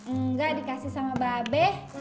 enggak dikasih sama babe